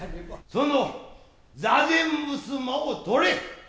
その座禅衾をとれ。